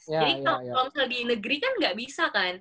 jadi kalo misalnya di negeri kan gak bisa kan